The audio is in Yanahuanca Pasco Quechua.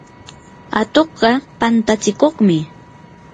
atuqqa pantatsikuqmi.